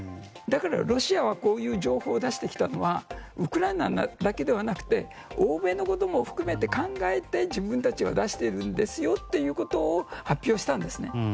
だから、ロシアがこういう情報を出してきたのはウクライナだけではなくて欧米のことも含めて考えて自分たちは出しているんですよということを発表したんですね。